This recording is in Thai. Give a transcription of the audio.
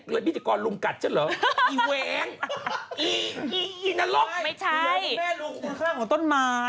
เอาไปทั้งต้นเอาไปทั้งต้น